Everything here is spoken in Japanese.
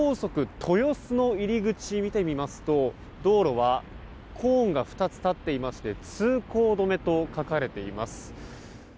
豊洲の入り口を見てみますと道路はコーンが２つ立っていまして通行止めと書かれています。